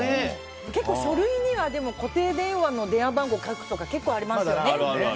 結構書類には固定電話の電話番号を書くとか結構ありますよね。